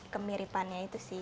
kemiripannya itu sih